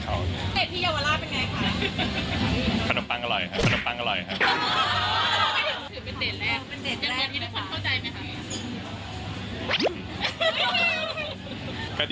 กำลังทำคะแนนอยู่ครับ